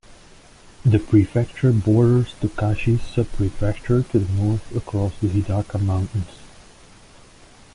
The prefecture borders Tokachi Subprefecture to the north across the Hidaka Mountains.